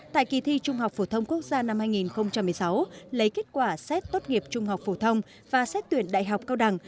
tại kỳ thi trung học phổ thông quốc gia năm hai nghìn một mươi sáu lấy kết quả xét tốt nghiệp trung học phổ thông và xét tuyển đại học cao đẳng